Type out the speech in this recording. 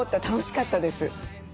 楽しかったです。